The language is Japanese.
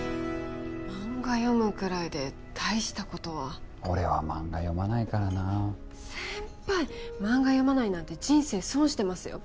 マンガ読むくらいでたいしたことは俺はマンガ読まないからな先輩マンガ読まないなんて人生損してますよ